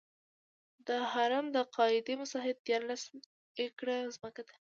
د هرم د قاعدې مساحت دیارلس ایکړه ځمکه ده.